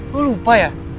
lu lupa ya